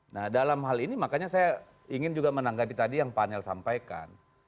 nah dalam hal ini makanya saya ingin juga menanggapi tadi yang panel sampaikan